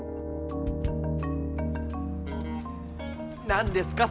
何ですか？